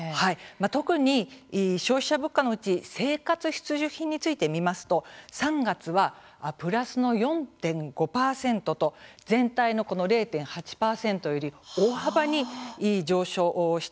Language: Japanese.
特に、消費者物価のうち生活必需品について見ますと３月はプラスの４．５％と全体の０．８％より大幅に上昇しているんですね。